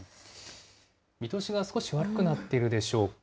見通しが少し悪くなってるでしょうか。